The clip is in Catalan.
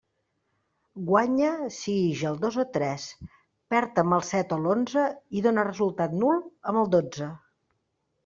Guanya si ix el dos o tres, perd amb el set o l'onze i dóna resultat nul amb el dotze.